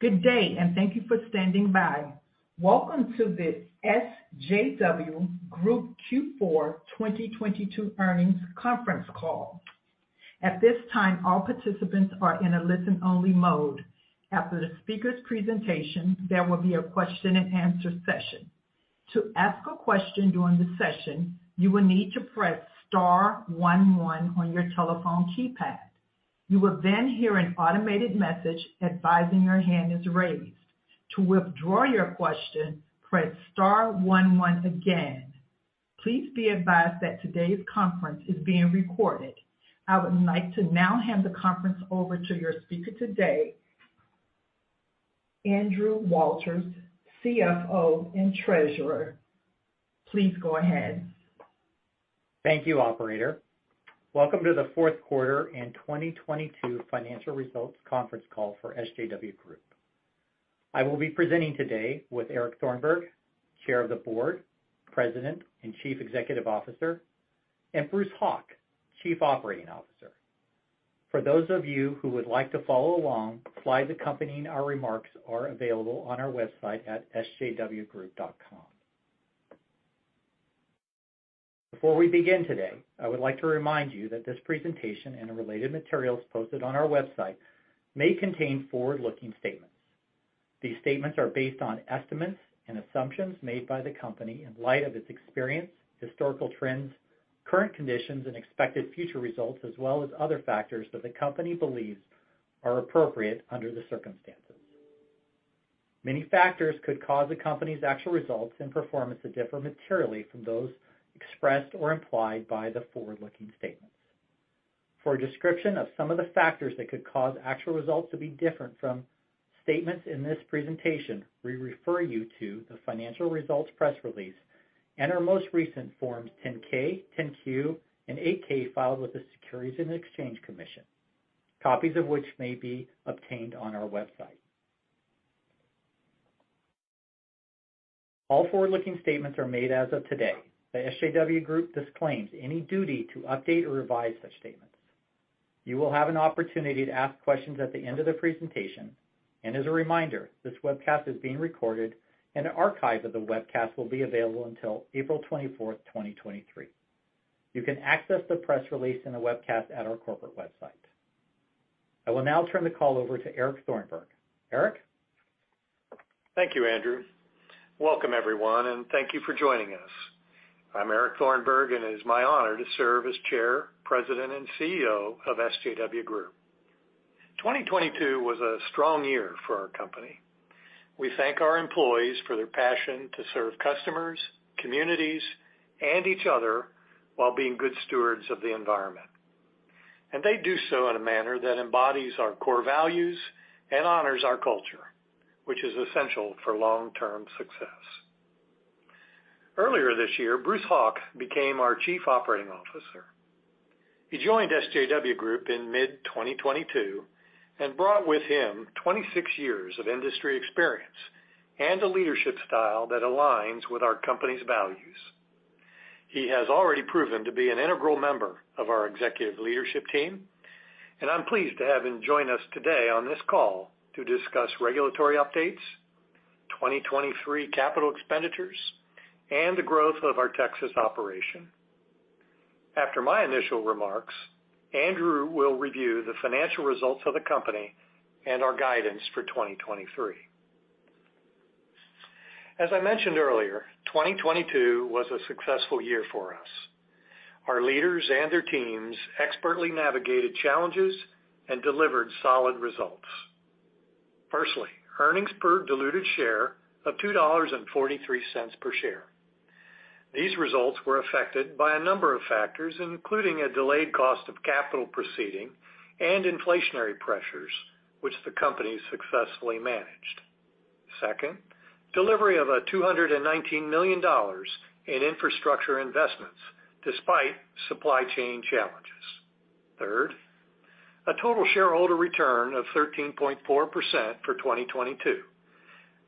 Good day. Thank you for standing by. Welcome to the SJW Group Q4 2022 earnings conference call. At this time, all participants are in a listen-only mode. After the speaker's presentation, there will be a question-and-answer session. To ask a question during the session, you will need to press star one one on your telephone keypad. You will hear an automated message advising your hand is raised. To withdraw your question, press star one one again. Please be advised that today's conference is being recorded. I would like to now hand the conference over to your speaker today, Andrew Walters, CFO and Treasurer. Please go ahead. Thank you, operator. Welcome to the fourth quarter and 2022 financial results conference call for SJW Group. I will be presenting today with Eric Thornburg, Chair of the Board, President, and Chief Executive Officer, and Bruce Hauk, Chief Operating Officer. For those of you who would like to follow along, slides accompanying our remarks are available on our website at sjwgroup.com. Before we begin today, I would like to remind you that this presentation and the related materials posted on our website may contain forward-looking statements. These statements are based on estimates and assumptions made by the company in light of its experience, historical trends, current conditions, and expected future results, as well as other factors that the company believes are appropriate under the circumstances. Many factors could cause the company's actual results and performance to differ materially from those expressed or implied by the forward-looking statements. For a description of some of the factors that could cause actual results to be different from statements in this presentation, we refer you to the financial results press release and our most recent Forms 10-K, 10-Q, and 8-K filed with the Securities and Exchange Commission, copies of which may be obtained on our website. All forward-looking statements are made as of today. The SJW Group disclaims any duty to update or revise such statements. You will have an opportunity to ask questions at the end of the presentation. As a reminder, this webcast is being recorded, and an archive of the webcast will be available until April 24th, 2023. You can access the press release in the webcast at our corporate website. I will now turn the call over to Eric Thornburg. Eric. Thank you, Andrew. Welcome, everyone, thank you for joining us. I'm Eric Thornburg, it is my honor to serve as Chair, President, and CEO of SJW Group. 2022 was a strong year for our company. We thank our employees for their passion to serve customers, communities, and each other while being good stewards of the environment. They do so in a manner that embodies our core values and honors our culture, which is essential for long-term success. Earlier this year, Bruce Hauk became our Chief Operating Officer. He joined SJW Group in mid-2022 and brought with him 26 years of industry experience and a leadership style that aligns with our company's values. He has already proven to be an integral member of our executive leadership team, and I'm pleased to have him join us today on this call to discuss regulatory updates, 2023 capital expenditures, and the growth of our Texas operation. After my initial remarks, Andrew will review the financial results of the company and our guidance for 2023. As I mentioned earlier, 2022 was a successful year for us. Our leaders and their teams expertly navigated challenges and delivered solid results. Firstly, earnings per diluted share of $2.43 per share. These results were affected by a number of factors, including a delayed cost of capital proceeding and inflationary pressures, which the company successfully managed. Second, delivery of a $219 million in infrastructure investments despite supply chain challenges. Third, a total shareholder return of 13.4% for 2022,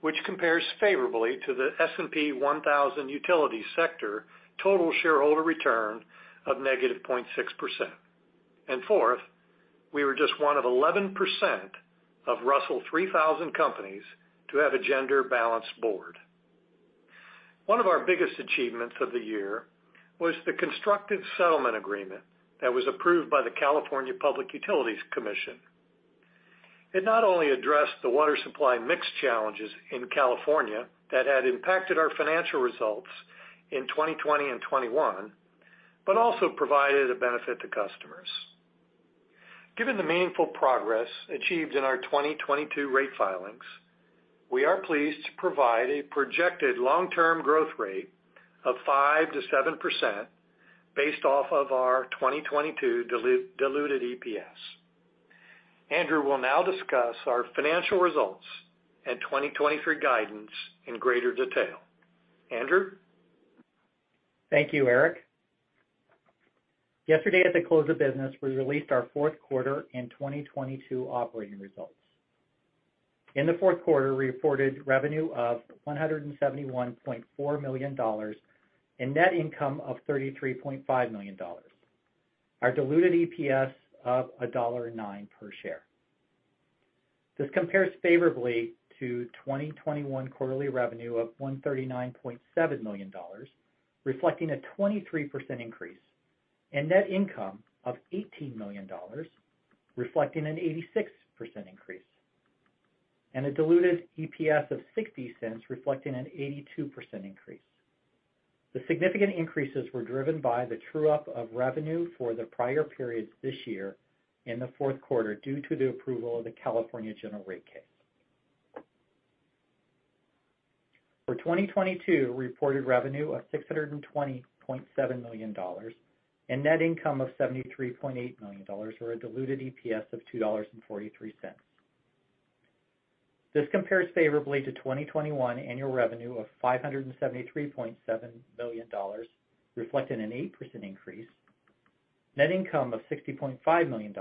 which compares favorably to the S&P 1000 utility sector total shareholder return of -0.6%. Fourth, we were just one of 11% of Russell 3000 companies to have a gender-balanced board. One of our biggest achievements of the year was the constructive settlement agreement that was approved by the California Public Utilities Commission. It not only addressed the water supply mix challenges in California that had impacted our financial results in 2020 and 2021, but also provided a benefit to customers. Given the meaningful progress achieved in our 2022 rate filings, we are pleased to provide a projected long-term growth rate of 5%-7% based off of our 2022 diluted EPS. Andrew will now discuss our financial results and 2023 guidance in greater detail. Andrew. Thank you, Eric. Yesterday at the close of business, we released our fourth quarter in 2022 operating results. In the fourth quarter, we reported revenue of $171.4 million and net income of $33.5 million. Our diluted EPS of $1.09 per share. This compares favorably to 2021 quarterly revenue of $139.7 million, reflecting a 23% increase, and net income of $18 million, reflecting an 86% increase, and a diluted EPS of $0.60, reflecting an 82% increase. The significant increases were driven by the true up of revenue for the prior periods this year in the fourth quarter due to the approval of the California General Rate case. For 2022, we reported revenue of $620.7 million and net income of $73.8 million, or a diluted EPS of $2.43. This compares favorably to 2021 annual revenue of $573.7 million, reflecting an 8% increase, net income of $60.5 million,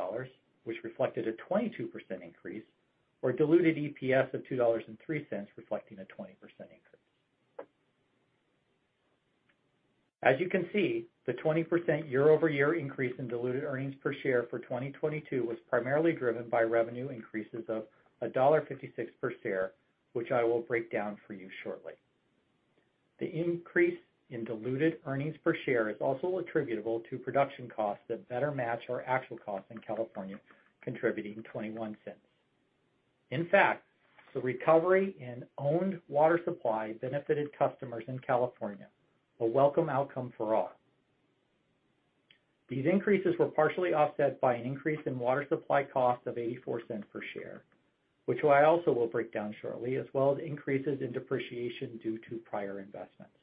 which reflected a 22% increase, or diluted EPS of $2.03, reflecting a 20% increase. As you can see, the 20% year-over-year increase in diluted earnings per share for 2022 was primarily driven by revenue increases of $1.56 per share, which I will break down for you shortly. The increase in diluted earnings per share is also attributable to production costs that better match our actual costs in California, contributing $0.21. The recovery in owned water supply benefited customers in California, a welcome outcome for all. These increases were partially offset by an increase in water supply cost of $0.84 per share, which I also will break down shortly, as well as increases in depreciation due to prior investments.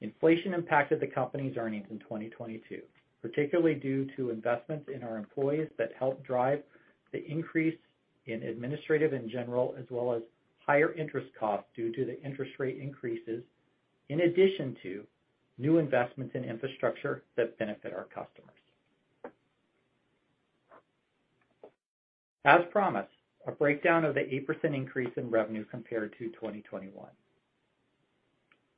Inflation impacted the company's earnings in 2022, particularly due to investments in our employees that helped drive the increase in administrative and general, as well as higher interest costs due to the interest rate increases, in addition to new investments in infrastructure that benefit our customers. A breakdown of the 8% increase in revenue compared to 2021.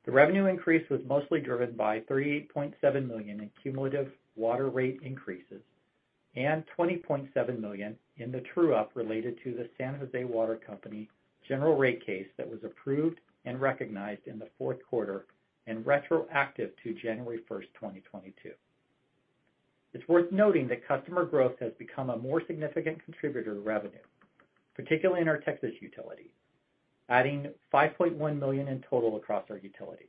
The revenue increase was mostly driven by $38.7 million in cumulative water rate increases and $20.7 million in the true up related to the San Jose Water Company general rate case that was approved and recognized in the fourth quarter and retroactive to January 1st, 2022. It's worth noting that customer growth has become a more significant contributor to revenue, particularly in our Texas utility, adding $5.1 million in total across our utilities.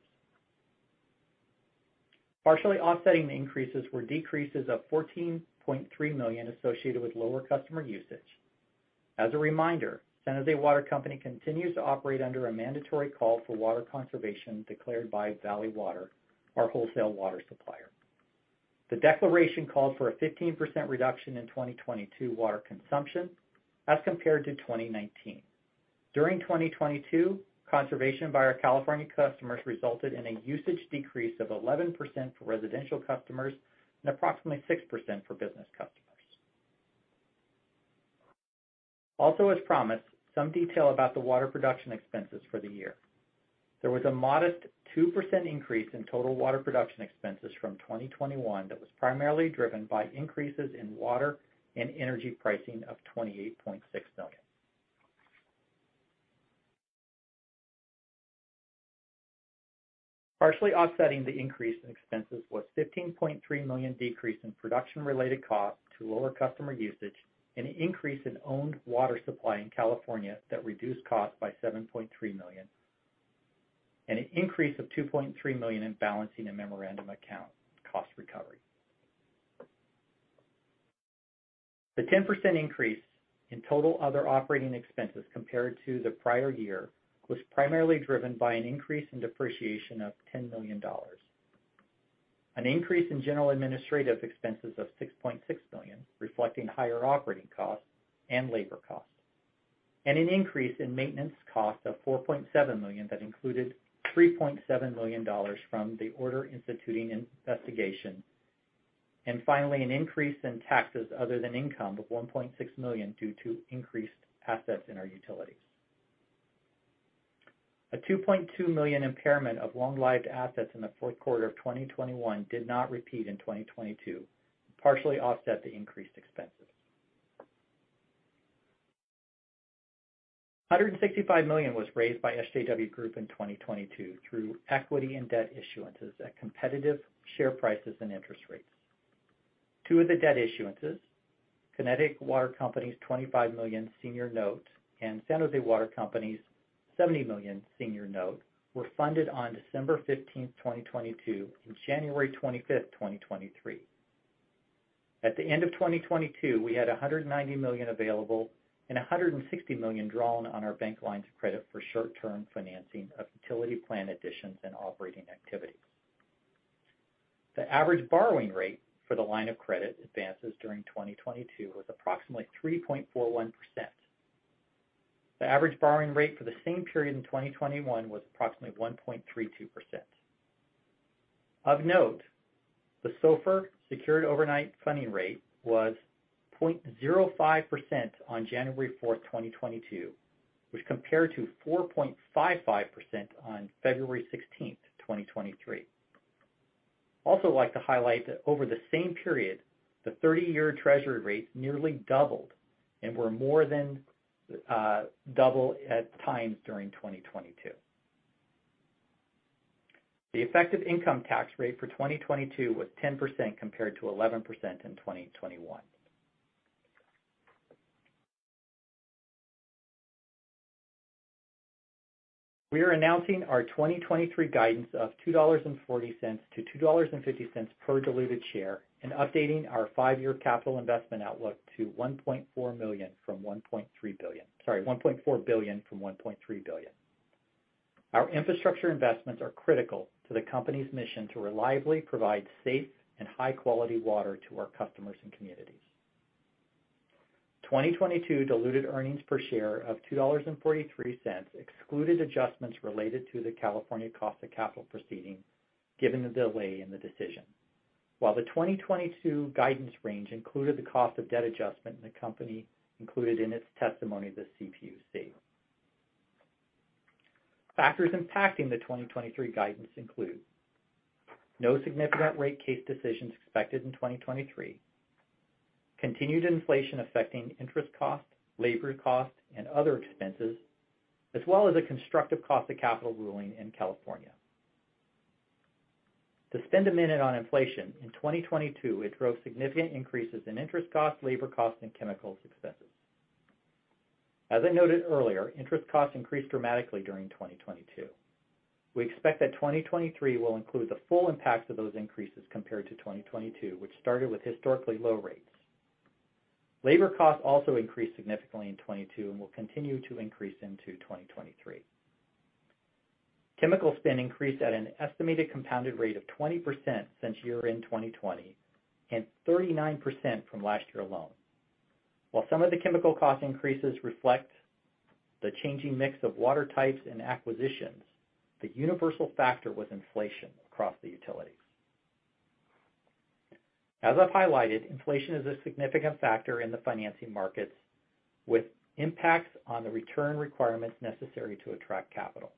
Partially offsetting the increases were decreases of $14.3 million associated with lower customer usage. As a reminder, San Jose Water Company continues to operate under a mandatory call for water conservation declared by Valley Water, our wholesale water supplier. The declaration called for a 15% reduction in 2022 water consumption as compared to 2019. During 2022, conservation by our California customers resulted in a usage decrease of 11% for residential customers and approximately 6% for business customers. As promised, some detail about the water production expenses for the year. There was a modest 2% increase in total water production expenses from 2021 that was primarily driven by increases in water and energy pricing of $28.6 million. Partially offsetting the increase in expenses was $15.3 million decrease in production-related costs to lower customer usage and an increase in owned water supply in California that reduced costs by $7.3 million, and an increase of $2.3 million in balancing a memorandum account cost recovery. The 10% increase in total other operating expenses compared to the prior year was primarily driven by an increase in depreciation of $10 million, an increase in general administrative expenses of $6.6 million, reflecting higher operating costs and labor costs, an increase in maintenance costs of $4.7 million that included $3.7 million from the Order Instituting Investigation. Finally, an increase in taxes other than income of $1.6 million due to increased assets in our utilities. A $2.2 million impairment of long-lived assets in the fourth quarter of 2021 did not repeat in 2022, partially offset the increased expenses. $165 million was raised by SJW Group in 2022 through equity and debt issuances at competitive share prices and interest rates. Two of the debt issuances, Connecticut Water Company's $25 million senior note and San Jose Water Company's $70 million senior note, were funded on December 15th, 2022, and January 25th, 2023. At the end of 2022, we had $190 million available and $160 million drawn on our bank lines of credit for short-term financing of utility plan additions and operating activities. The average borrowing rate for the line of credit advances during 2022 was approximately 3.41%. The average borrowing rate for the same period in 2021 was approximately 1.32%. Of note, the SOFR, Secured Overnight Financing Rate, was 0.05% on January 4th, 2022, which compared to 4.55% on February 16th, 2023. Also like to highlight that over the same period, the 30-year treasury rate nearly doubled and were more than double at times during 2022. The effective income tax rate for 2022 was 10% compared to 11% in 2021. We are announcing our 2023 guidance of $2.40 to $2.50 per diluted share and updating our 5-year capital investment outlook to $1.4 million from $1.3 billion. Sorry, $1.4 billion from $1.3 billion. Our infrastructure investments are critical to the company's mission to reliably provide safe and high-quality water to our customers and communities. 2022 diluted earnings per share of $2.43 excluded adjustments related to the California cost of capital proceeding given the delay in the decision. The 2022 guidance range included the cost of debt adjustment the company included in its testimony to CPUC. Factors impacting the 2023 guidance include no significant rate case decisions expected in 2023, continued inflation affecting interest costs, labor costs, and other expenses, as well as a constructive cost of capital ruling in California. To spend a minute on inflation, in 2022, it drove significant increases in interest costs, labor costs, and chemicals expenses. As I noted earlier, interest costs increased dramatically during 2022. We expect that 2023 will include the full impacts of those increases compared to 2022, which started with historically low rates. Labor costs also increased significantly in 2022 and will continue to increase into 2023. Chemical spend increased at an estimated compounded rate of 20% since year-end in 2020 and 39% from last year alone. While some of the chemical cost increases reflect the changing mix of water types and acquisitions, the universal factor was inflation across the utilities. As I've highlighted, inflation is a significant factor in the financing markets with impacts on the return requirements necessary to attract capital.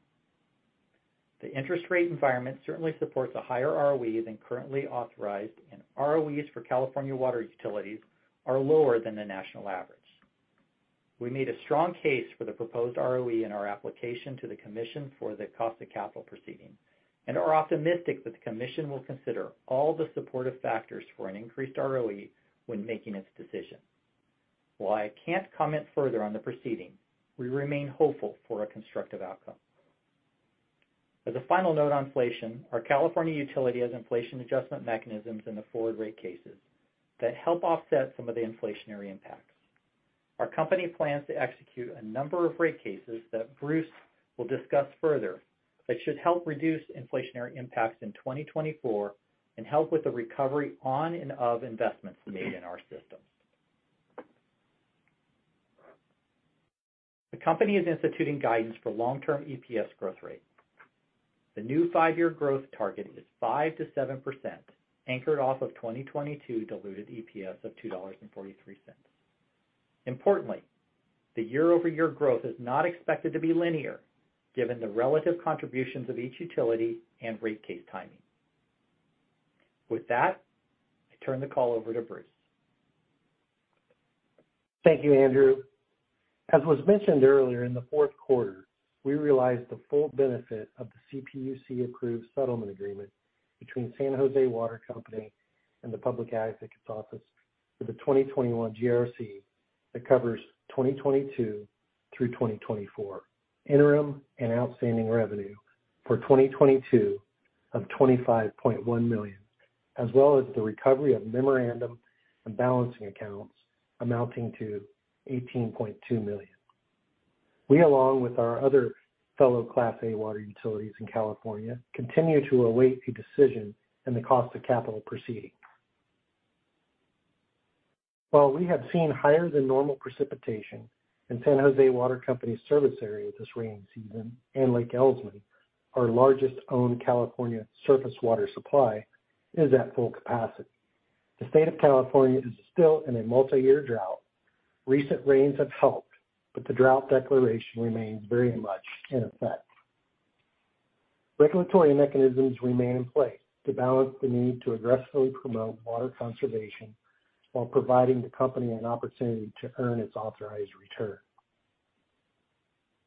The interest rate environment certainly supports a higher ROE than currently authorized, and ROEs for California water utilities are lower than the national average. We made a strong case for the proposed ROE in our application to the Commission for the cost of capital proceeding and are optimistic that the Commission will consider all the supportive factors for an increased ROE when making its decision. While I can't comment further on the proceeding, we remain hopeful for a constructive outcome. As a final note on inflation, our California utility has inflation adjustment mechanisms in the forward rate cases that help offset some of the inflationary impacts. Our company plans to execute a number of rate cases that Bruce will discuss further that should help reduce inflationary impacts in 2024 and help with the recovery on and of investments made in our systems. The company is instituting guidance for long-term EPS growth rate. The new five-year growth target is 5%-7%, anchored off of 2022 diluted EPS of $2.43. Importantly, the year-over-year growth is not expected to be linear given the relative contributions of each utility and rate case timing. With that, I turn the call over to Bruce. Thank you, Andrew. As was mentioned earlier, in the fourth quarter, we realized the full benefit of the CPUC approved settlement agreement between San Jose Water Company and the Public Advocates Office for the 2021 GRC that covers 2022 through 2024 interim and outstanding revenue for 2022 of $25.1 million, as well as the recovery of memorandum and balancing accounts amounting to $18.2 million. We, along with our other fellow Class A water utilities in California, continue to await the decision in the cost of capital proceeding. While we have seen higher than normal precipitation in San Jose Water Company's service area this rain season, and Lake Elsman, our largest owned California surface water supply, is at full capacity. The state of California is still in a multi-year drought. Recent rains have helped, the drought declaration remains very much in effect. Regulatory mechanisms remain in place to balance the need to aggressively promote water conservation while providing the company an opportunity to earn its authorized return.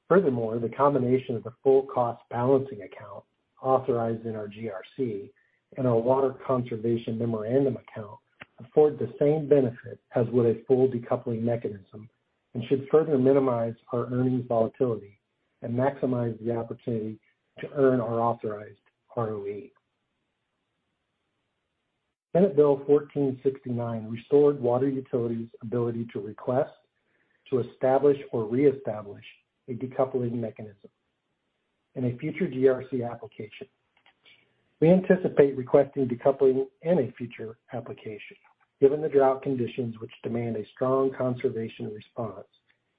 The combination of the full cost balancing account authorized in our GRC and our water conservation memorandum account afford the same benefit as would a full decoupling mechanism and should further minimize our earnings volatility and maximize the opportunity to earn our authorized ROE. Senate Bill 1469 restored water utilities ability to request to establish or reestablish a decoupling mechanism in a future GRC application. We anticipate requesting decoupling in a future application. Given the drought conditions which demand a strong conservation response,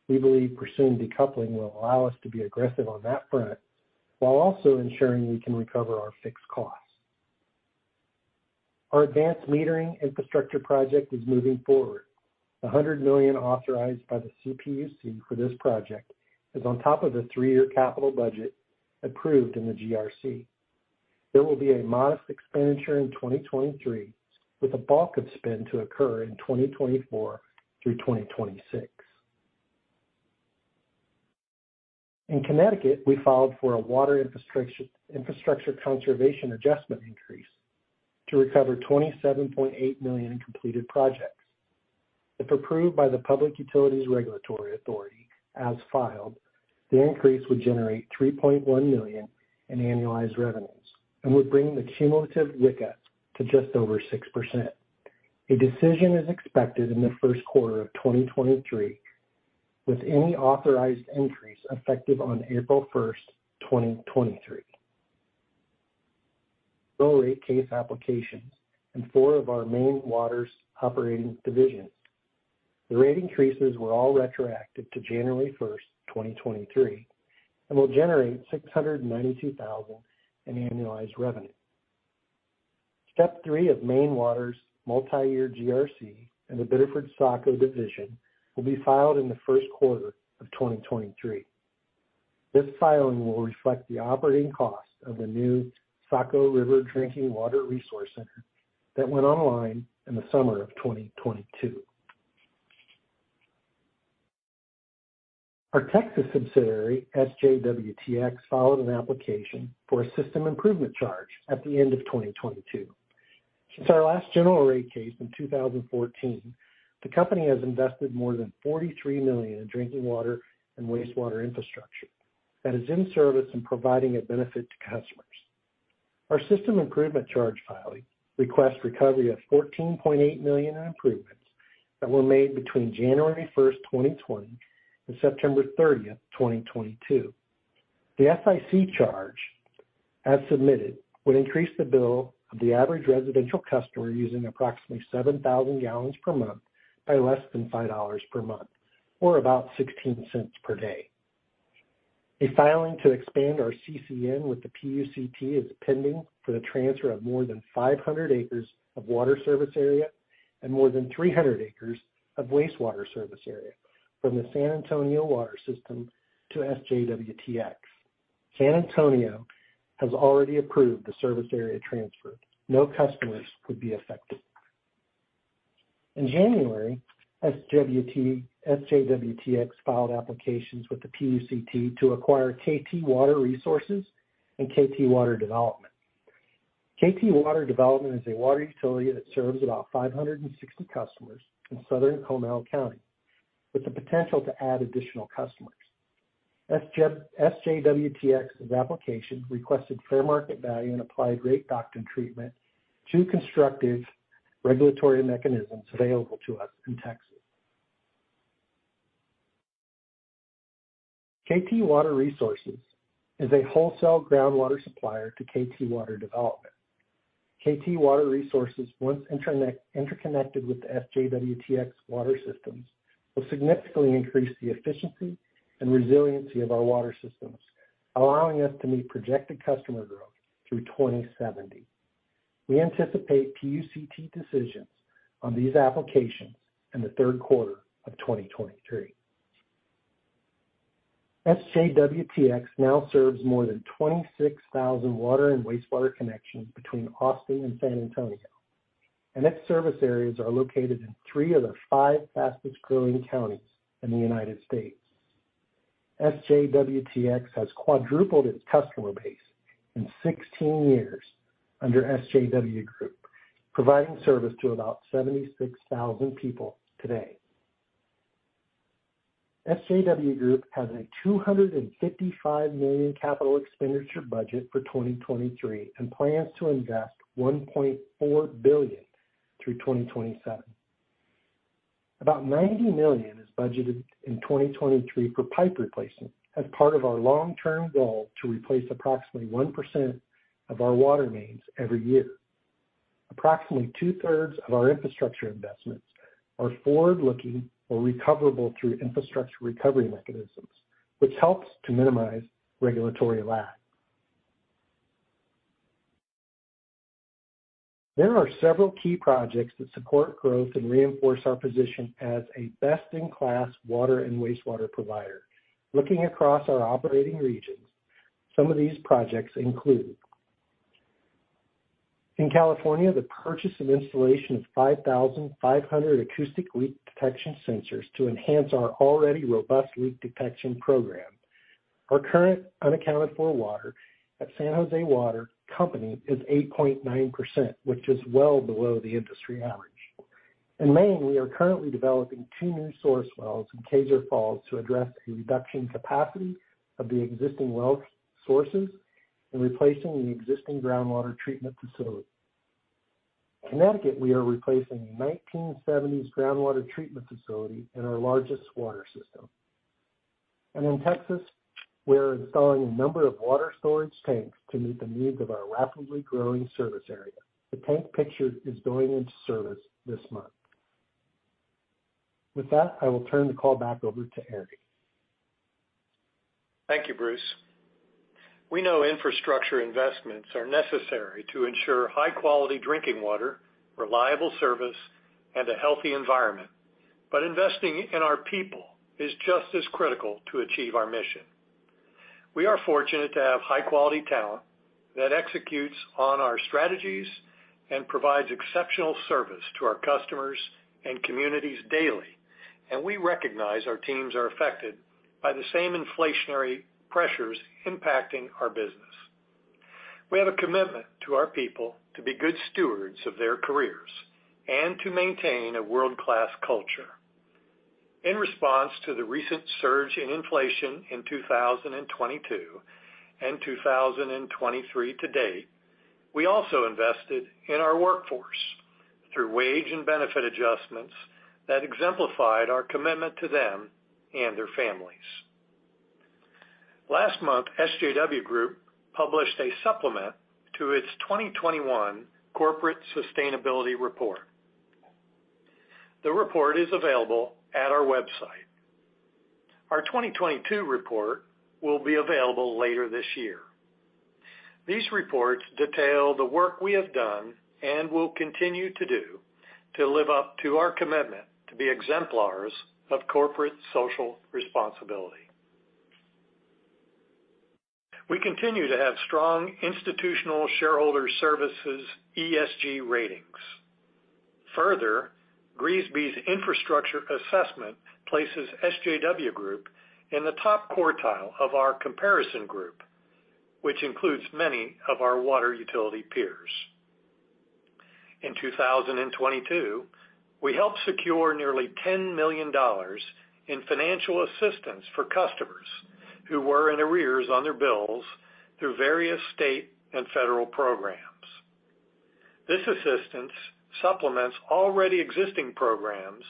we believe pursuing decoupling will allow us to be aggressive on that front while also ensuring we can recover our fixed costs. Our advanced metering infrastructure project is moving forward. $100 million authorized by the CPUC for this project is on top of the three-year capital budget approved in the GRC. There will be a modest expenditure in 2023, with the bulk of spend to occur in 2024 through 2026. In Connecticut, we filed for a water infrastructure conservation adjustment increase to recover $27.8 million in completed projects. If approved by the Public Utilities Regulatory Authority as filed, the increase would generate $3.1 million in annualized revenues and would bring the cumulative WICCA to just over 6%. A decision is expected in the first quarter of 2023, with any authorized increase effective on April 1st, 2023. Rate case applications in four of our Maine Waters operating divisions. The rate increases were all retroactive to January 1st, 2023, and will generate $692,000 in annualized revenue. Step three of Maine Water's multi-year GRC in the Biddeford-Saco Division will be filed in the first quarter of 2023. This filing will reflect the operating cost of the new Saco River Drinking Water Resource Center that went online in the summer of 2022. Our Texas subsidiary, SJWTX, filed an application for a system improvement charge at the end of 2022. Since our last general rate case in 2014, the company has invested more than $43 million in drinking water and wastewater infrastructure that is in service and providing a benefit to customers. Our system improvement charge filing requests recovery of $14.8 million in improvements that were made between January 1st, 2020, and September 30th, 2022. The SIC charge, as submitted, would increase the bill of the average residential customer using approximately 7,000 gallons per month by less than $5 per month or about $0.16 per day. A filing to expand our CCN with the PUCT is pending for the transfer of more than 500 acres of water service area and more than 300 acres of wastewater service area from the San Antonio Water System to SJWTX. San Antonio has already approved the service area transfer. No customers would be affected. In January, SJWTX filed applications with the PUCT to acquire KT Water Resources and KT Water Development. KT Water Development is a water utility that serves about 560 customers in southern Comal County, with the potential to add additional customers. SJWTX's application requested fair market value and applied rate doctrine treatment to constructive regulatory mechanisms available to us in Texas. KT Water Resources is a wholesale groundwater supplier to KT Water Development. KT Water Resources, once interconnected with the SJWTX water systems, will significantly increase the efficiency and resiliency of our water systems, allowing us to meet projected customer growth through 2070. We anticipate PUCT decisions on these applications in the third quarter of 2023. SJWTX now serves more than 26,000 water and wastewater connections between Austin and San Antonio, and its service areas are located in three of the five fastest-growing counties in the United States. SJWTX has quadrupled its customer base in 16 years under SJW Group, providing service to about 76,000 people today. SJW Group has a $255 million CapEx budget for 2023 and plans to invest $1.4 billion through 2027. About $90 million is budgeted in 2023 for pipe replacement as part of our long-term goal to replace approximately 1% of our water mains every year. Approximately two-thirds of our infrastructure investments are forward-looking or recoverable through infrastructure recovery mechanisms, which helps to minimize regulatory lag. There are several key projects that support growth and reinforce our position as a best-in-class water and wastewater provider. Looking across our operating regions, some of these projects include: in California, the purchase and installation of 5,500 acoustic leak detection sensors to enhance our already robust leak detection program. Our current unaccounted for water at San Jose Water Company is 8.9%, which is well below the industry average. In Maine, we are currently developing two new source wells in Kezar Falls to address the reduction capacity of the existing well sources and replacing the existing groundwater treatment facility. Connecticut, we are replacing a 1970s groundwater treatment facility in our largest water system. In Texas, we're installing a number of water storage tanks to meet the needs of our rapidly growing service area. The tank pictured is going into service this month. With that, I will turn the call back over to Eric. Thank you, Bruce. We know infrastructure investments are necessary to ensure high-quality drinking water, reliable service, and a healthy environment. Investing in our people is just as critical to achieve our mission. We are fortunate to have high-quality talent that executes on our strategies and provides exceptional service to our customers and communities daily. We recognize our teams are affected by the same inflationary pressures impacting our business. We have a commitment to our people to be good stewards of their careers and to maintain a world-class culture. In response to the recent surge in inflation in 2022 and 2023 to date, we also invested in our workforce through wage and benefit adjustments that exemplified our commitment to them and their families. Last month, SJW Group published a supplement to its 2021 corporate sustainability report. The report is available at our website. Our 2022 report will be available later this year. These reports detail the work we have done and will continue to do to live up to our commitment to be exemplars of corporate social responsibility. We continue to have strong Institutional Shareholder Services ESG ratings. GRESB's infrastructure assessment places SJW Group in the top quartile of our comparison group, which includes many of our water utility peers. In 2022, we helped secure nearly $10 million in financial assistance for customers who were in arrears on their bills through various state and federal programs. This assistance supplements already existing programs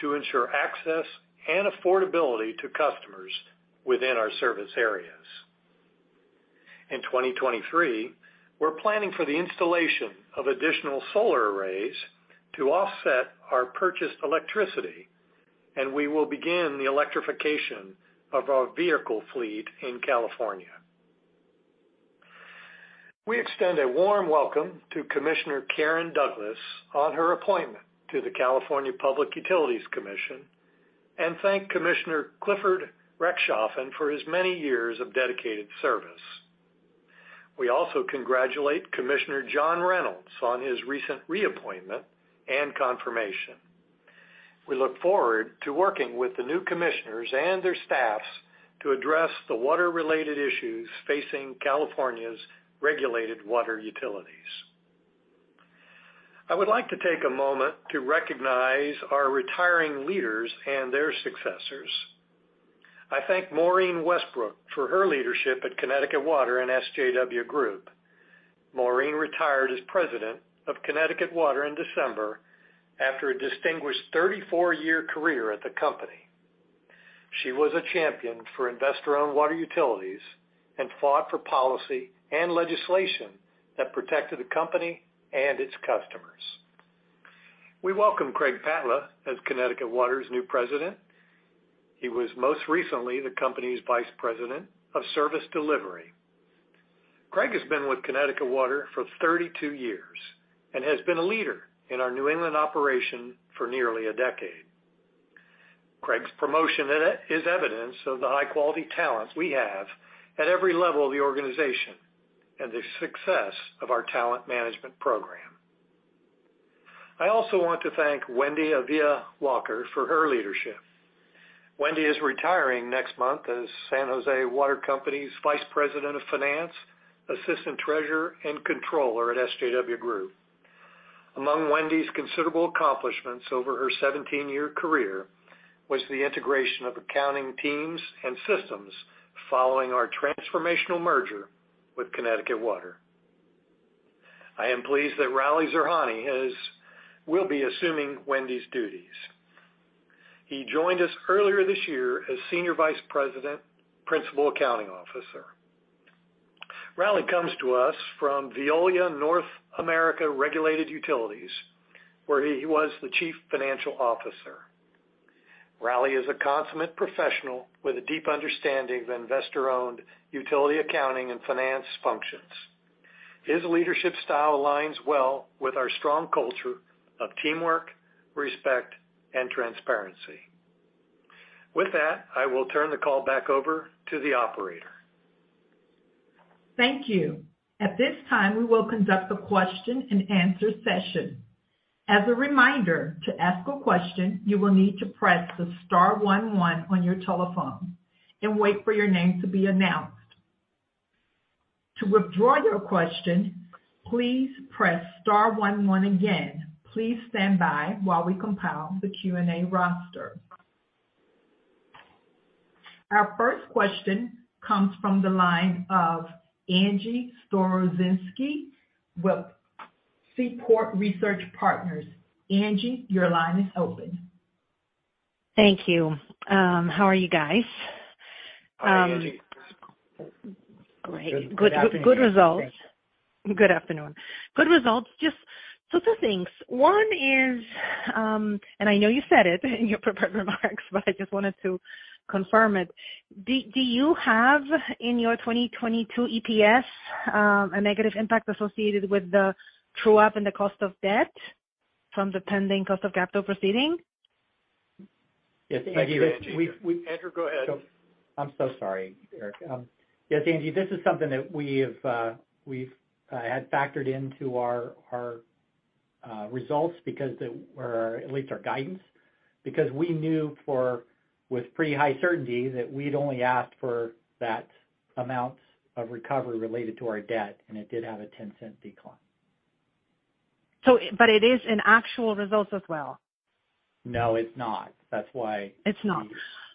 to ensure access and affordability to customers within our service areas. In 2023, we're planning for the installation of additional solar arrays to offset our purchased electricity, and we will begin the electrification of our vehicle fleet in California. We extend a warm welcome to Commissioner Karen Douglas on her appointment to the California Public Utilities Commission, and thank Commissioner Clifford Rechtschaffen for his many years of dedicated service. We also congratulate Commissioner John Reynolds on his recent reappointment and confirmation. We look forward to working with the new commissioners and their staffs to address the water-related issues facing California's regulated water utilities. I would like to take a moment to recognize our retiring leaders and their successors. I thank Maureen Westbrook for her leadership at Connecticut Water and SJW Group. Maureen retired as president of Connecticut Water in December after a distinguished 34-year career at the company. She was a champion for investor-owned water utilities and fought for policy and legislation that protected the company and its customers. We welcome Craig Patla as Connecticut Water's new president. He was most recently the company's vice president of service delivery. Craig has been with Connecticut Water for 32 years and has been a leader in our New England operation for nearly a decade. Craig's promotion is evidence of the high-quality talent we have at every level of the organization and the success of our talent management program. I also want to thank Wendy Avila-Walker for her leadership. Wendy is retiring next month as San Jose Water Company's vice president of finance, assistant treasurer, and controller at SJW Group. Among Wendy's considerable accomplishments over her 17-year career was the integration of accounting teams and systems following our transformational merger with Connecticut Water. I am pleased that Rali Zirhani will be assuming Wendy's duties. He joined us earlier this year as senior vice president, principal accounting officer. Rali comes to us from Veolia North America Regulated Utilities, where he was the chief financial officer. Rali is a consummate professional with a deep understanding of investor-owned utility accounting and finance functions. His leadership style aligns well with our strong culture of teamwork, respect, and transparency. With that, I will turn the call back over to the operator. Thank you. At this time, we will conduct a question-and-answer session. As a reminder, to ask a question, you will need to press the star one one on your telephone and wait for your name to be announced. To withdraw your question, please press star one one again. Please stand by while we compile the Q&A roster. Our first question comes from the line of Angie Storozynski with Seaport Research Partners. Angie, your line is open. Thank you. How are you guys? Hi, Angie. Great. Good results. Good afternoon. Good results. Just two things. One is, I know you said it in your prepared remarks, but I just wanted to confirm it. Do you have in your 2022 EPS a negative impact associated with the true up in the cost of debt from the pending cost of capital proceeding? Yes. Thank you, Angie. Yes. Angie, Andrew, go ahead. I'm so sorry, Eric. Yes, Angie, this is something that we've had factored into our results because they were at least our guidance. We knew with pretty high certainty that we'd only asked for that amount of recovery related to our debt, and it did have a $0.10 decline. It is an actual result as well? No, it's not. That's why. It's not.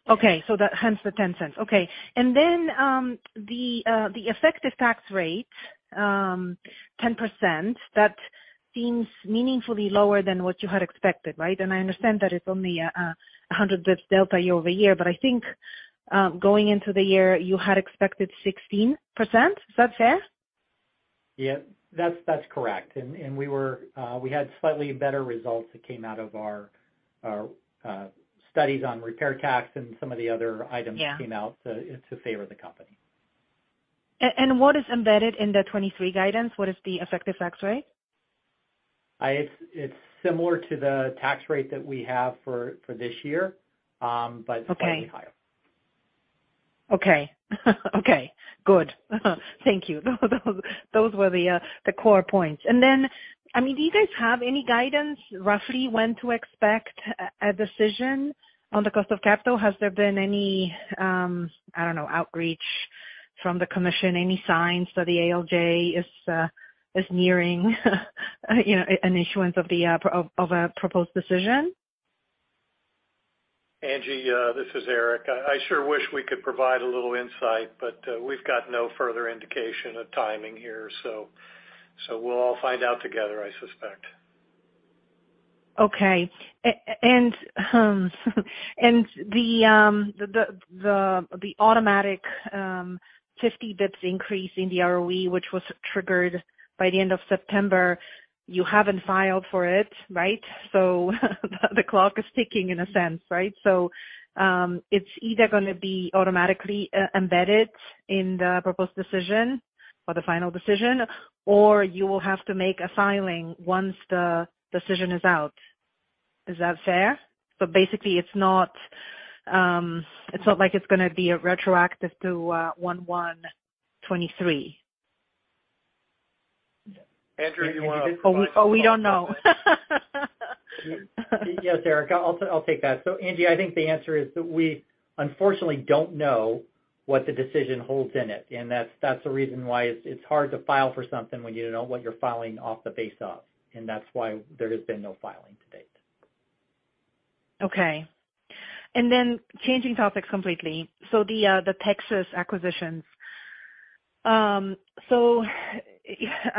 Okay. That hence the $0.10. Okay. The effective tax rate, 10%, that seems meaningfully lower than what you had expected, right? I understand that it's only 100 bits delta year-over-year, but I think going into the year, you had expected 16%. Is that fair? Yeah, that's correct. We were, we had slightly better results that came out of our studies on repair tax and some of the other items came out to favor the company. What is embedded in the 2023 guidance? What is the effective tax rate? It's similar to the tax rate that we have for this year slightly higher. Okay. Okay, good. Thank you. Those were the core points. I mean, do you guys have any guidance roughly when to expect a decision on the cost of capital? Has there been any, I don't know, outreach from the commission, any signs that the ALJ is nearing, you know, an issuance of a proposed decision? Angie, this is Eric. I sure wish we could provide a little insight, but we've got no further indication of timing here, so we'll all find out together, I suspect. Okay. The automatic 50 basis points increase in the ROE, which was triggered by the end of September, you haven't filed for it, right? The clock is ticking in a sense, right? It's either gonna be automatically embedded in the proposed decision or the final decision, or you will have to make a filing once the decision is out. Is that fair? Basically, it's not, it's not like it's gonna be a retroactive to 1/1/2023. Andrew, do you? Yes. We don't know. Yes, Eric, I'll take that. Angie, I think the answer is that we unfortunately don't know what the decision holds in it, and that's the reason why it's hard to file for something when you don't know what you're filing off the base of, and that's why there has been no filing to date. Changing topics completely. The Texas acquisitions.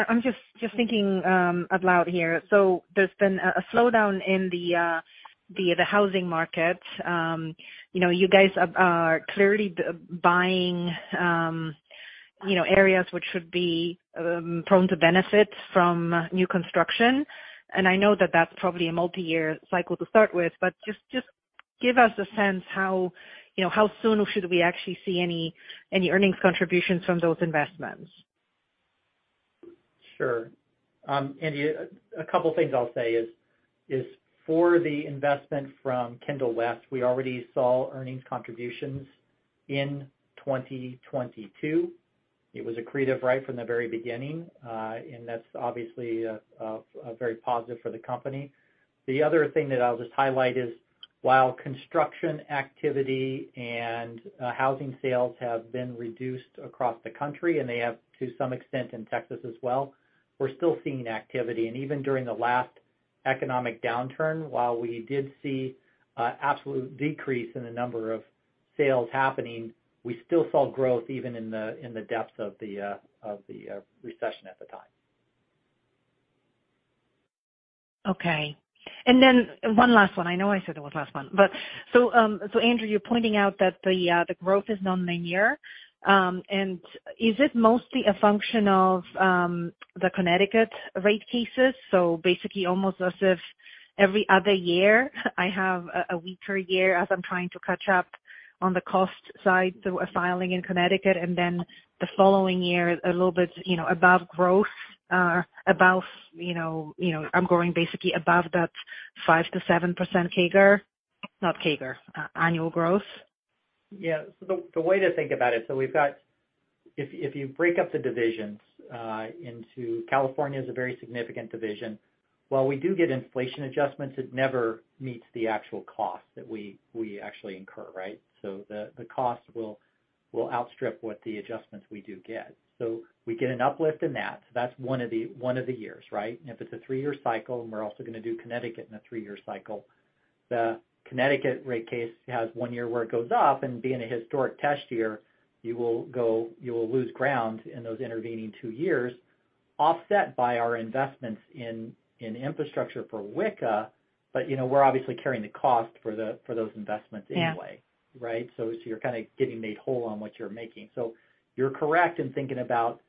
I'm just thinking out loud here. There's been a slowdown in the housing market. You know, you guys are clearly buying, you know, areas which should be prone to benefit from new construction. I know that that's probably a multiyear cycle to start with, but just give us a sense how, you know, how soon should we actually see any earnings contributions from those investments? Sure. Angie, a couple things I'll say is for the investment from Kendall West, we already saw earnings contributions in 2022. It was accretive right from the very beginning. That's obviously very positive for the company. The other thing that I'll just highlight is while construction activity and housing sales have been reduced across the country, they have to some extent in Texas as well, we're still seeing activity. Even during the last economic downturn, while we did see a absolute decrease in the number of sales happening, we still saw growth even in the depths of the recession at the time. One last one. I know I said it was last one. Andrew, you're pointing out that the growth is non-linear. Is it mostly a function of the Connecticut rate cases? Basically almost as if every other year I have a weaker year as I'm trying to catch up on the cost side through a filing in Connecticut, and then the following year a little bit, you know, above growth, above, I'm growing basically above that 5%-7% CAGR, not CAGR, annual growth. Yeah. The way to think about it, if you break up the divisions into California is a very significant division. While we do get inflation adjustments, it never meets the actual cost that we actually incur, right? The cost will outstrip what the adjustments we do get. We get an uplift in that. That's one of the years, right? If it's a three-year cycle, we're also gonna do Connecticut in a three-year cycle, the Connecticut rate case has one year where it goes up and being a historic test year, you will lose ground in those intervening two years, offset by our investments in infrastructure for WCMA, you know, we're obviously carrying the cost for those investments anyway. Yeah. Right? You're kinda getting made whole on what you're making. You're correct in thinking about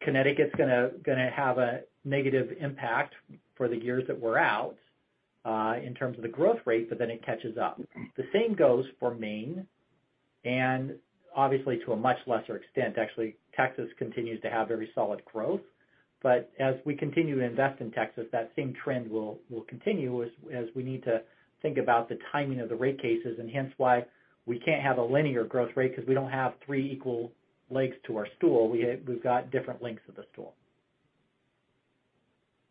Connecticut's gonna have a negative impact for the years that we're out in terms of the growth rate, but then it catches up. The same goes for Maine and obviously to a much lesser extent. Texas continues to have very solid growth. As we continue to invest in Texas, that same trend will continue as we need to think about the timing of the rate cases and hence why we can't have a linear growth rate because we don't have three equal legs to our stool. We've got different lengths of the stool.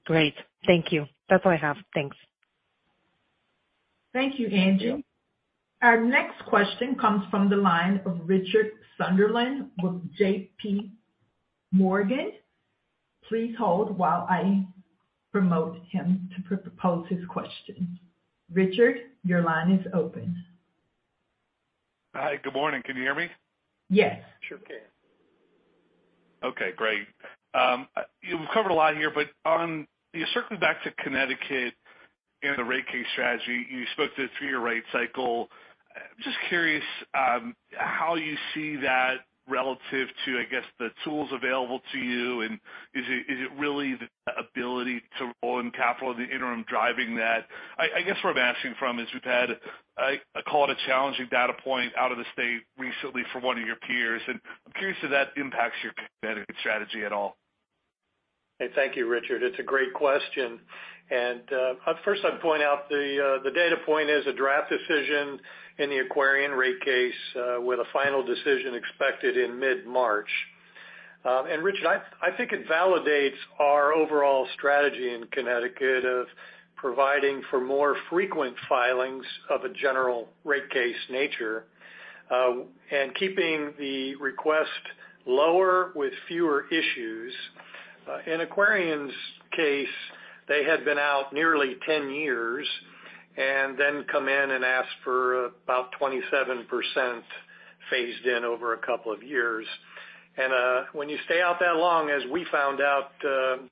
Great. Thank you. That's all I have. Thanks. Thank you, Angie. Our next question comes from the line of Richard Sunderland with J.P. Morgan. Please hold while I promote him to pose his question. Richard, your line is open. Hi, good morning. Can you hear me? Yes. Sure can. Okay, great. Circling back to Connecticut and the rate case strategy, you spoke to the three-year rate cycle. Just curious, how you see that relative to, I guess, the tools available to you, and is it really the ability to roll in capital in the interim driving that? I guess where I'm asking from is we've had, I call it a challenging data point out of the state recently for one of your peers, and I'm curious if that impacts your competitive strategy at all. Hey, thank you, Richard. It's a great question. First I'd point out the data point is a draft decision in the Aquarion rate case, with a final decision expected in mid-March. Richard, I think it validates our overall strategy in Connecticut of providing for more frequent filings of a general rate case nature, and keeping the request lower with fewer issues. In Aquarion's case, they had been out nearly 10 years and then come in and asked for about 27% phased in over a couple of years. When you stay out that long, as we found out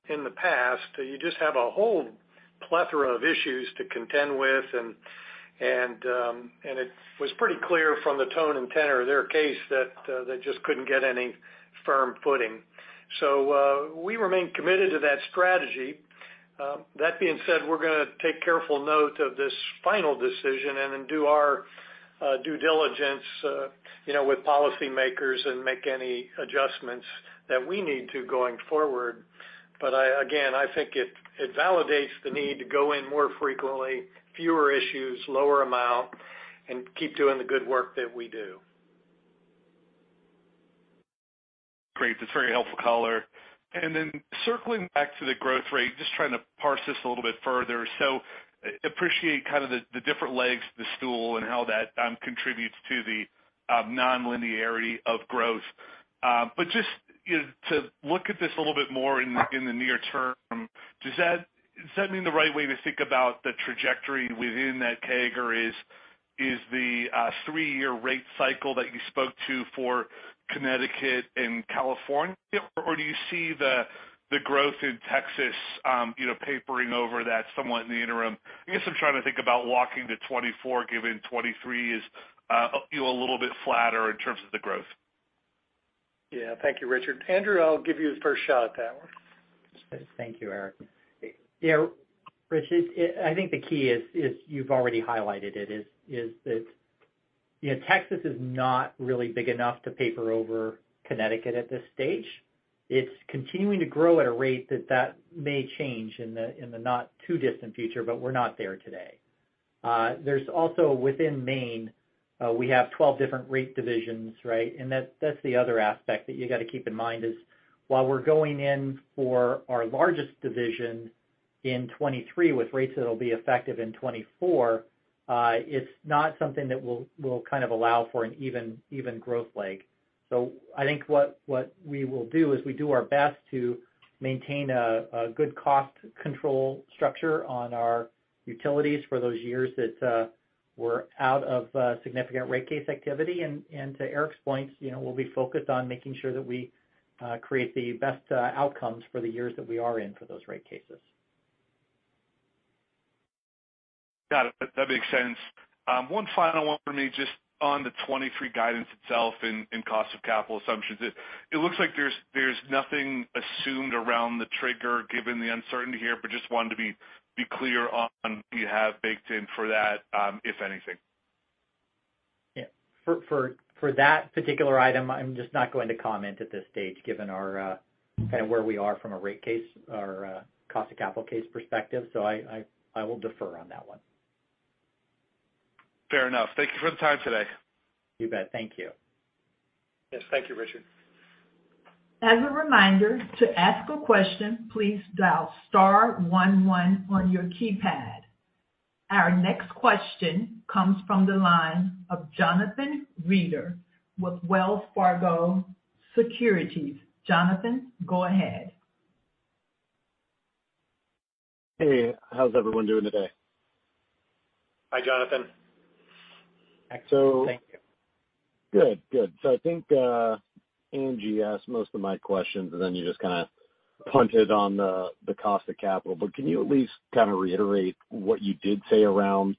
in the past, you just have a whole plethora of issues to contend with. It was pretty clear from the tone and tenor of their case that they just couldn't get any firm footing. We remain committed to that strategy. That being said, we're gonna take careful note of this final decision and then do our due diligence, you know, with policymakers and make any adjustments that we need to going forward. I, again, I think it validates the need to go in more frequently, fewer issues, lower amount, and keep doing the good work that we do. Great. That's a very helpful color. Circling back to the growth rate, just trying to parse this a little bit further. Appreciate kind of the different legs of the stool and how that contributes to the non-linearity of growth. Just, you know, to look at this a little bit more in the near term, does that set me the right way to think about the trajectory within that CAGR is the three-year rate cycle that you spoke to for Connecticut and California? Do you see the growth in Texas, you know, papering over that somewhat in the interim? I guess I'm trying to think about walking to 2024, given 2023 is, you know, a little bit flatter in terms of the growth. Yeah. Thank you, Richard. Andrew, I'll give you the first shot at that one. Thank you, Eric. Yeah, Richard, I think the key is you've already highlighted it, is that, you know, Texas is not really big enough to paper over Connecticut at this stage. It's continuing to grow at a rate that may change in the not too distant future, but we're not there today. There's also within Maine, we have 12 different rate divisions, right? That's the other aspect that you got to keep in mind is while we're going in for our largest division in 2023 with rates that'll be effective in 2024, it's not something that will kind of allow for an even growth leg. I think what we will do is we do our best to maintain a good cost control structure on our utilities for those years that we're out of significant rate case activity. And to Eric's point, you know, we'll be focused on making sure that we create the best outcomes for the years that we are in for those rate cases. Got it. That makes sense. One final one for me, just on the 23 guidance itself and cost of capital assumptions. It looks like there's nothing assumed around the trigger given the uncertainty here, but just wanted to be clear on what you have baked in for that, if anything. Yeah. For that particular item, I'm just not going to comment at this stage, given our kind of where we are from a rate case or a cost of capital case perspective. I will defer on that one. Fair enough. Thank you for the time today. You bet. Thank you. Yes. Thank you, Richard. As a reminder, to ask a question, please dial star one one on your keypad. Our next question comes from the line of Jonathan Reeder with Wells Fargo Securities. Jonathan, go ahead. Hey, how's everyone doing today? Hi, Jonathan. Excellent, thank you. Good, good. I think Angie asked most of my questions, and then you just kinda punted on the cost of capital, but can you at least kind of reiterate what you did say around,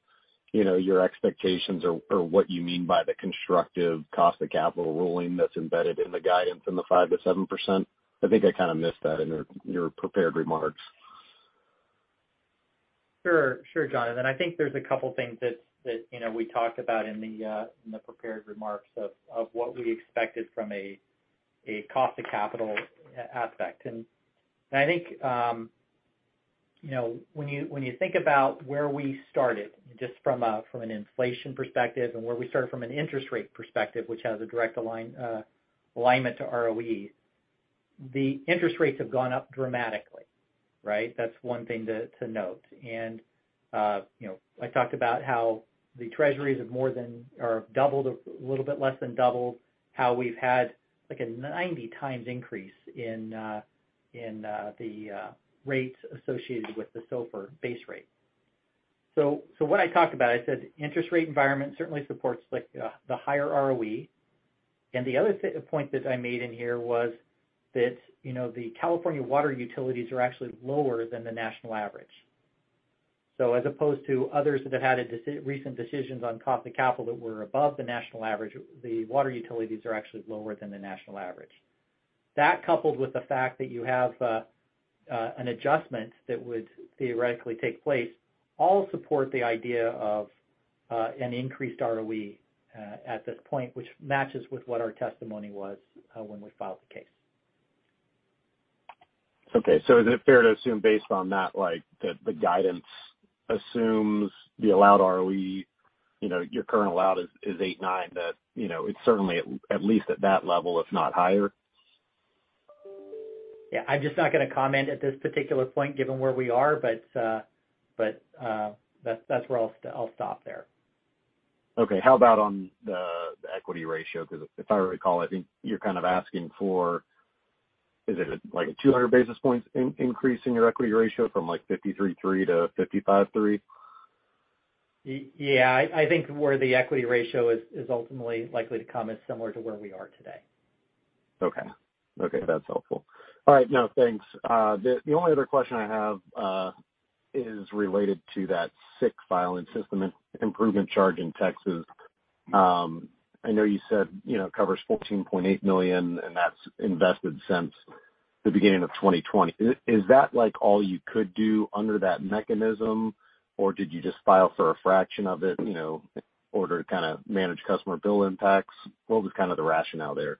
you know, your expectations or what you mean by the constructive cost of capital ruling that's embedded in the guidance in the 5%-7%? I think I kind of missed that in your prepared remarks. Sure. Sure, Jonathan. I think there's a couple things that, you know, we talked about in the prepared remarks of what we expected from a cost of capital aspect. I think, you know, when you, when you think about where we started, just from an inflation perspective and where we started from an interest rate perspective, which has a direct alignment to ROE, the interest rates have gone up dramatically, right? That's 1 thing to note. You know, I talked about how the treasuries have more than or doubled or a little bit less than doubled, how we've had like a 90 times increase in the rates associated with the SOFR base rate. What I talked about, I said interest rate environment certainly supports like the higher ROE. The other point that I made in here was that, you know, the California water utilities are actually lower than the national average. As opposed to others that have had recent decisions on cost of capital that were above the national average, the water utilities are actually lower than the national average. That, coupled with the fact that you have an adjustment that would theoretically take place all support the idea of an increased ROE at this point, which matches with what our testimony was when we filed the case. Is it fair to assume based on that, like, the guidance assumes the allowed ROE, you know, your current allowed is 8.9, that, you know, it's certainly at least at that level, if not higher? Yeah. I'm just not gonna comment at this particular point given where we are, but, that's where I'll stop there. Okay. How about on the equity ratio? 'Cause if I recall, I think you're kind of asking for... Is it, like, a 200 basis points increase in your equity ratio from, like, 53.3% to 55.3%? Yeah. I think where the equity ratio is ultimately likely to come is similar to where we are today. Okay, that's helpful. All right. No, thanks. The only other question I have is related to that SIC filing system improvement charge in Texas. I know you said, you know, it covers $14.8 million, and that's invested since the beginning of 2020. Is that, like, all you could do under that mechanism, or did you just file for a fraction of it, you know, in order to kinda manage customer bill impacts? What was kind of the rationale there?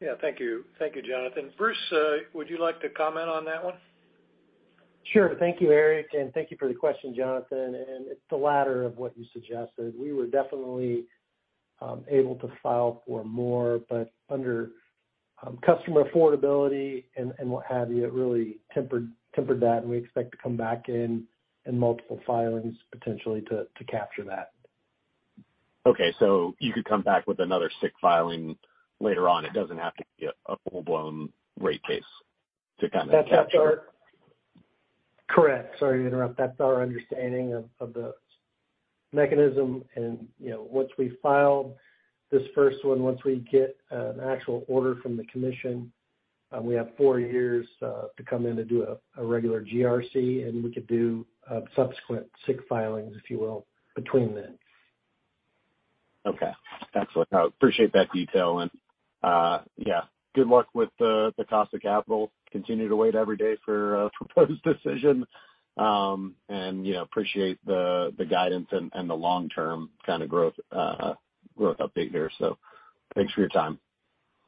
Yeah, thank you. Thank you, Jonathan. Bruce, would you like to comment on that one? Sure. Thank you, Eric, and thank you for the question, Jonathan. It's the latter of what you suggested. We were definitely able to file for more, but under customer affordability and what have you, it really tempered that, and we expect to come back in multiple filings potentially to capture that. Okay. You could come back with another SIC filing later on. It doesn't have to be a full-blown rate case to kind of capture. Correct. Sorry to interrupt. That's our understanding of the mechanism. You know, once we file this first one, once we get an actual order from the commission, we have four years to come in and do a regular GRC, and we could do subsequent SIC filings, if you will, between then. Okay. Excellent. I appreciate that detail. Yeah, good luck with the cost of capital. Continue to wait every day for a proposed decision. You know, appreciate the guidance and the long-term kind of growth update there. Thanks for your time.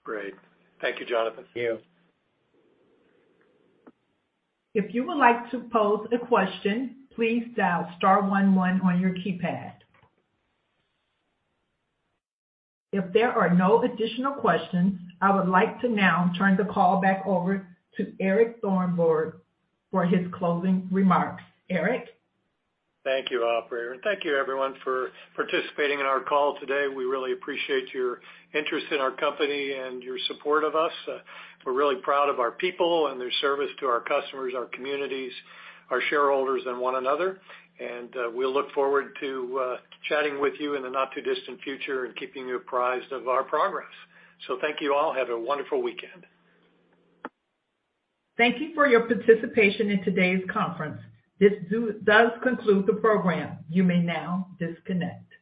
Great. Thank you, Jonathan. Thank you. If you would like to pose a question, please dial star one one on your keypad. If there are no additional questions, I would like to now turn the call back over to Eric Thornburg for his closing remarks. Eric? Thank you, operator. Thank you everyone for participating in our call today. We really appreciate your interest in our company and your support of us. We're really proud of our people and their service to our customers, our communities, our shareholders, and one another. We look forward to chatting with you in the not too distant future and keeping you apprised of our progress. Thank you all. Have a wonderful weekend. Thank you for your participation in today's conference. This does conclude the program. You may now disconnect.